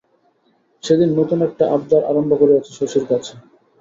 সেদিন নুতন একটা আব্দার আরম্ভ করিয়াছে শশীর কাছে।